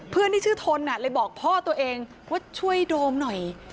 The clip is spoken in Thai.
เพื่อนที่ชื่อทนเลยบอกพ่อตัวเองว่าช่วยโดมหน่อย